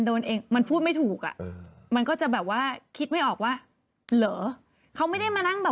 โทรไปเตรียมได้หรอ